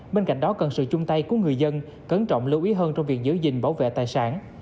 bên cạnh đó cần sự chung tay của người dân cẩn trọng lưu ý hơn trong việc giữ gìn bảo vệ tài sản